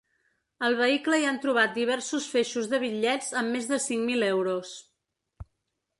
Al vehicle hi han trobat diversos feixos de bitllets amb més de cinc mil euros.